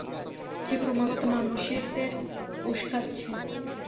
সে ক্রমাগত মানুষদের উস্কাচ্ছে!